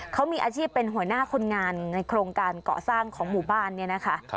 เขามีอาชีพเป็นหัวหน้าคนงานในโครงการเกาะสร้างของหมู่บ้านเนี่ยนะคะ